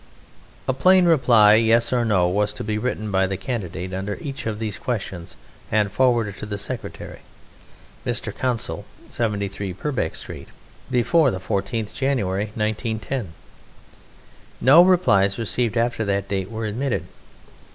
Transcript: (A plain reply "Yes" or "No" was to be written by the candidate under each of these questions and forwarded to the Secretary, Mr. Consul, 73 Purbeck Street, W.. before the 14th January, 1910. No replies received after that date were admitted.